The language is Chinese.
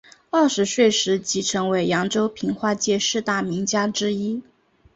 二十岁时即成为扬州评话界四大名家之一。